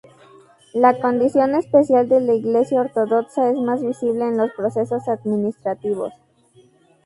La condición especial de la Iglesia ortodoxa es más visible en los procesos administrativos.